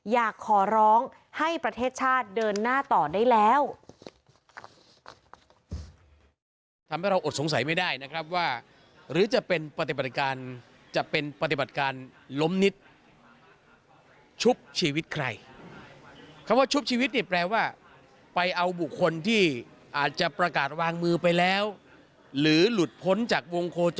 อยากขอร้องให้ประเทศชาติเดินหน้าต่อได้แล้ว